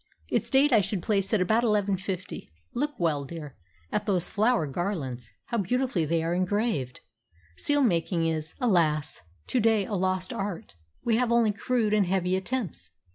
Its date I should place at about 1150. Look well, dear, at those flower garlands; how beautifully they are engraved! Seal making is, alas! to day a lost art. We have only crude and heavy attempts.